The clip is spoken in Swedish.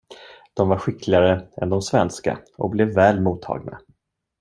De var skickligare än de svenska och blev väl mottagna.